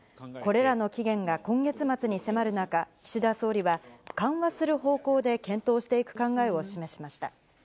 これらの期限が今月末に迫る中、岸田総理は、緩和する方向で検討していく考えを示しました。